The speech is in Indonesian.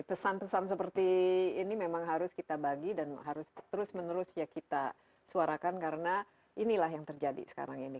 pesan pesan seperti ini memang harus kita bagi dan harus terus menerus ya kita suarakan karena inilah yang terjadi sekarang ini